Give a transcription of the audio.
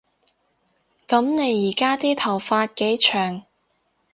噉你而家啲頭髮幾長